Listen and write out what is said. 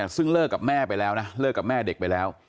ซึ่งเลิกกับแม่เด็กไปแล้ว